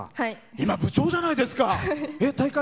今、部長じゃないですか！